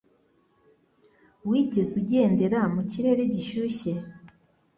Wigeze ugendera mu kirere gishyushye?